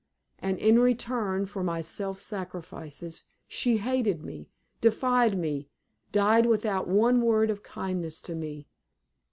And in return for my self sacrifices, she hated me, defied me, died without one word of kindness to me.